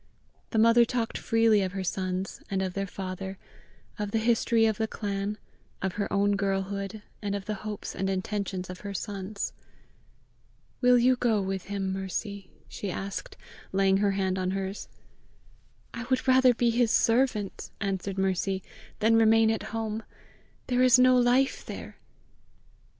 The mother talked freely of her sons, and of their father, of the history of the clan, of her own girlhood, and of the hopes and intentions of her sons. "Will you go with him, Mercy?" she asked, laying her hand on hers. "I would rather be his servant," answered Mercy, "than remain at home: there is no life there!"